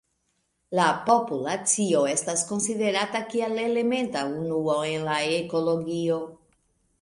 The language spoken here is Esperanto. La populacio estas konsiderata kiel elementa unuo en la ekologio.